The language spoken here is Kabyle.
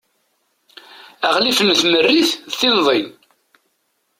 aɣlif n tmerrit d tinḍi